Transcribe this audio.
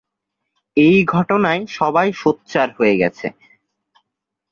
এই ঘটনায় সবাই সোচ্চার হয়ে গেছে।